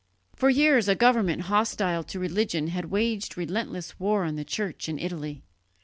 For years a government hostile to religion had waged relentless war on the Church in Italy.